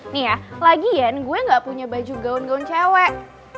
nih ya lagian gue gak punya baju gaun gaun cewek